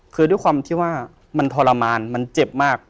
คือด้วยความที่ว่ามันทรมานมันเจ็บมาก